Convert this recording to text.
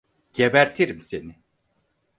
Gebertirim seni!